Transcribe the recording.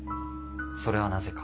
それはなぜか？